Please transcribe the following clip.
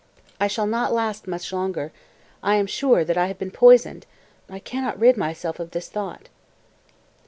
227. "I shall not last much longer. I am sure that I have been poisoned! I can not rid myself of this thought."